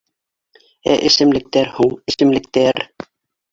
Ә эсемлектәр һуң, эсемлектәр